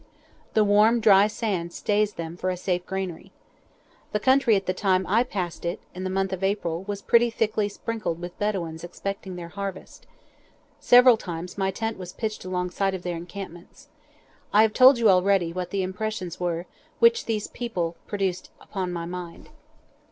The warm, dry sand stands them for a safe granary. The country at the time I passed it (in the month of April) was pretty thickly sprinkled with Bedouins expecting their harvest. Several times my tent was pitched alongside of their encampments. I have told you already what the impressions were which these people produced upon my mind.